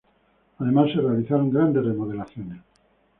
Además se realizaron grandes remodelaciones.